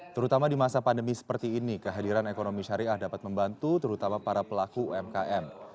terutama di masa pandemi seperti ini kehadiran ekonomi syariah dapat membantu terutama para pelaku umkm